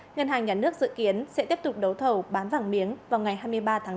ngân hàng nhà nước dự kiến sẽ tiếp tục đấu thầu bán vàng miếng vào ngày hai mươi ba tháng bốn